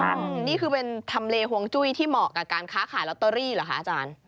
นี่คือเป็นทำเลห่วงจุ้ยที่เหมาะกับการค้าขายลอตเตอรี่เหรอคะอาจารย์